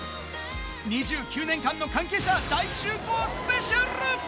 ２９年間の関係者が大集合スペシャル。